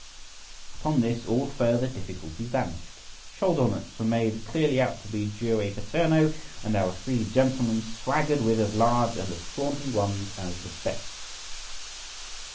Upon this all further difficulty vanished; shoulder knots were made clearly out to be jure paterno, and our three gentlemen swaggered with as large and as flaunting ones as the best.